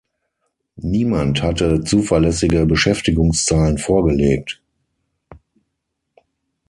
Niemand hatte zuverlässige Beschäftigungszahlen vorgelegt.